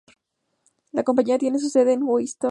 La compañía tiene su sede en Huntington Beach, California.